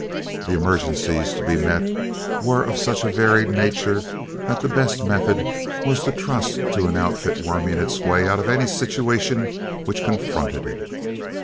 The emergencies to be met were of such a varied nature that the best method was to trust to an outfit worming its way out of any situation which confronted it.